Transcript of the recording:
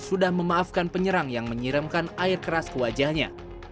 sudah memaafkan penyerang yang menyiramkan air keras ke wajahnya